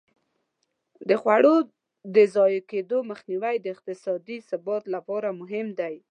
د خواړو د ضایع کېدو مخنیوی د اقتصادي ثبات لپاره مهم دی.